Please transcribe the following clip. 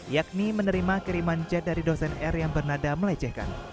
yakni menerima kiriman jat dari dosen r yang bernada melecehkan